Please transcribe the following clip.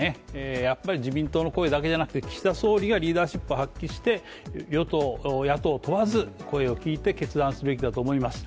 やっぱり自民党の声だけじゃなくて岸田総理がリーダーシップを発揮してよと野党問わず声を聞いて決断すべきだと思います。